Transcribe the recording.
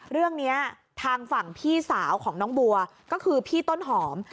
เรื่องนี้ทางฝั่งพี่สาวของน้องบัวก็คือพี่ต้นหอม